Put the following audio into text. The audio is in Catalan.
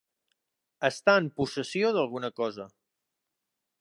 Estar en possessió d'alguna cosa.